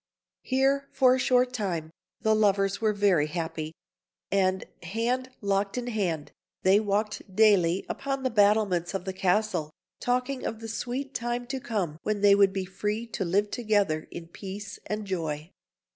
Here, for a short time, the lovers were very happy; and, hand locked in hand, they walked daily upon the battlements of the castle, talking of the sweet time to come when they would be free to live together in peace and joy.